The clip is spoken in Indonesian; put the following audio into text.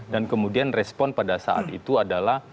dan kemudian respon pada saat itu adalah